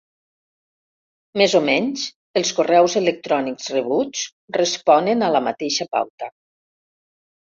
Més o menys, els correus electrònics rebuts responen a la mateixa pauta.